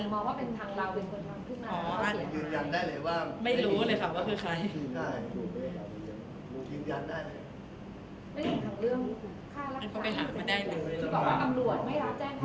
มองว่าเป็นทางเราเป็นคนทางพิมพ์น้ำ